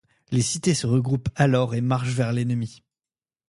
Les Cités se regroupent alors et marchent vers l'ennemi.